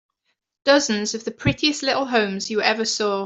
Dozens of the prettiest little homes you ever saw.